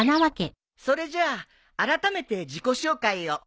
それじゃあらためて自己紹介を。